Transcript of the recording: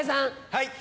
はい。